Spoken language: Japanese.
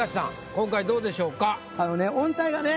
今回どうでしょうか？